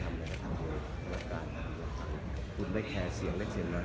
เขาถึงหลักใจขึ้นหลักใจด้วยครับ